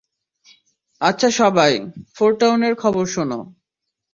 আচ্ছা সবাই, ফোরটাউনের খবর শোনো।